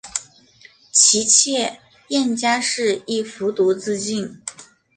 其妾燕佳氏亦服毒自尽。